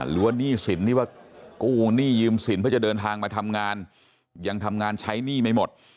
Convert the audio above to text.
หนี้สินที่ว่ากู้หนี้ยืมสินเพื่อจะเดินทางมาทำงานยังทำงานใช้หนี้ไม่หมด